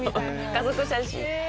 家族写真。